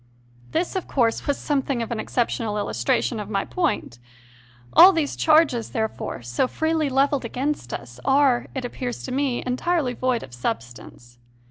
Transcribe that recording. This, of course, was something of an exceptional illustration of my point. All these charges, there fore, so freely levelled against us, are, it appears to me, entirely void of substance.